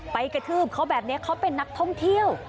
กระทืบเขาแบบนี้เขาเป็นนักท่องเที่ยว